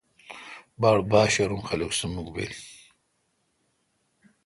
باڑ با شرم خلق سہ مکھ بیل۔